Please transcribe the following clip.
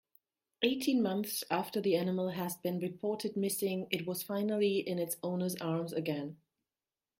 Eighteen months after the animal has been reported missing it was finally in its owner's arms again.